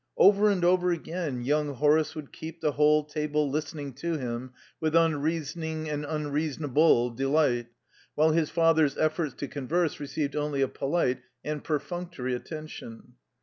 Over and over again young Horace would keep the whole table listening to him with unreasoning and unreasonable delight, while his father's efforts to converse received only a polite and perfunctory attention.